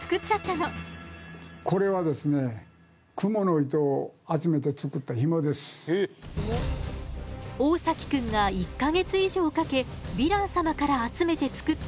これはですね大崎くんが１か月以上かけヴィラン様から集めて作ったヒモ。